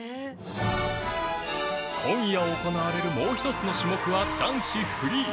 今夜行われるもう一つの種目は男子フリー